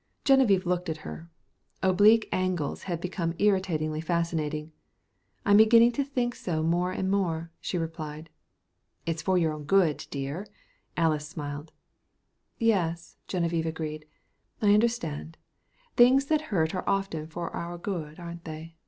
Geneviève looked at her. Oblique angles had become irritatingly fascinating. "I'm beginning to think so more and more," she replied. "It's for your own good, dear," Alys smiled. "Yes," Geneviève agreed. "I understand. Things that hurt are often for our good, aren't they?